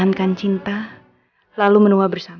aku cinta bahkan semua